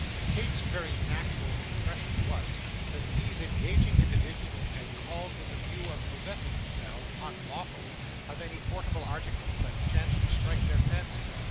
Kate's very natural impression was, that these engaging individuals had called with the view of possessing themselves, unlawfully, of any portable articles that chanced to strike their fancy.